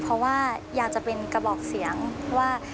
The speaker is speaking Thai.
เพราะว่าอยากจะเป็นกระบอกเสียงว่า